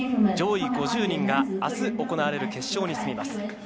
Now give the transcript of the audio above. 上位５０人があす行われる決勝に進みます。